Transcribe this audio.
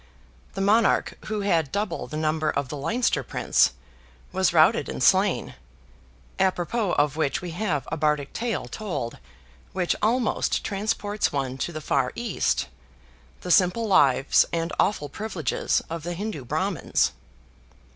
The Monarch who had double the number of the Leinster Prince, was routed and slain, apropos of which we have a Bardic tale told, which almost transports one to the far East, the simple lives and awful privileges of the Hindoo Brahmins.